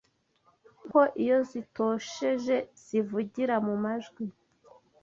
nk’uko iyo zitosheje zivugira mu majwi